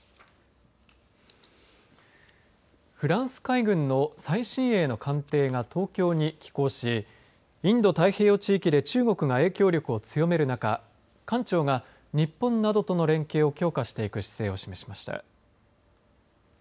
フランス海軍の最新鋭の艦艇が東京に寄港しインド太平洋地域で中国が影響力を強める中艦長が日本などとの連携を強化していく姿勢を示しました。